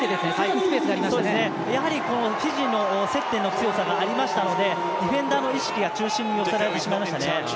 フィジーの接点の強さがありましたのでディフェンダーの意識が中心に寄せられてしまいました。